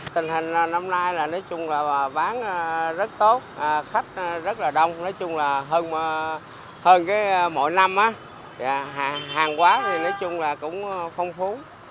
tình hình năm nay là bán rất tốt khách rất đông hơn mỗi năm hàng quá thì cũng phong phú